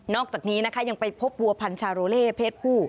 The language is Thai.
อกจากนี้นะคะยังไปพบวัวพันชาโรเล่เพศผู้